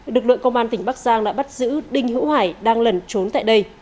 lực lượng công an tỉnh bắc giang đã bắt giữ đinh hữu hải đang lẩn trốn tại đây